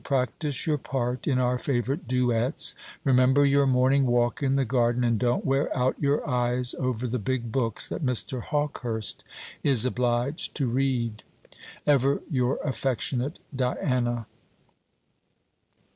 Practise your part in our favourite duets; remember your morning walk in the garden; and don't wear out your eyes over the big books that Mr. Hawkehurst is obliged to read. Ever your affectionate DIANA.